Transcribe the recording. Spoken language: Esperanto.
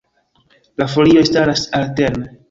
La folioj staras alterne.